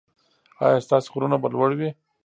ایا ستاسو غرونه به لوړ وي؟